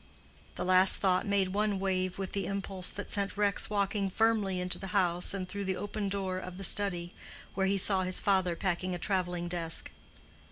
The last thought made one wave with the impulse that sent Rex walking firmly into the house and through the open door of the study, where he saw his father packing a traveling desk.